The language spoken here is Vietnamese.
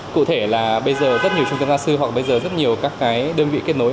cụ thể là bây giờ rất nhiều trung tâm giáo sư hoặc bây giờ rất nhiều các cái đơn vị kết nối